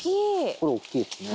これ大っきいですね。